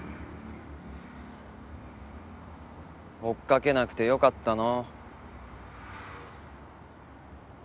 追っかけなくてよかったの？